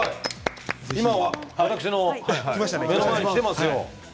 今私、の目の前にきていますよ。